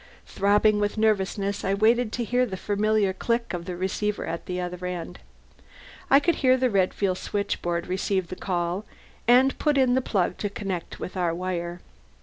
Throbbing with nervousness I waited to hear the familiar click of the receiver at the other end. I could hear the Redfield switchboard receive the call, and put in the plug to connect with our wire.